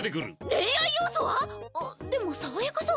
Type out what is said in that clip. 恋愛要素は⁉あっでも爽やかそう。